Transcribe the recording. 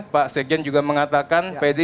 pak sekjen juga mengatakan pdi